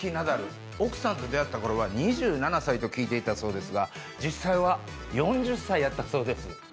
奥さんと出会った頃は２７歳と聞いていたそうですが実際は４０歳やったそうです。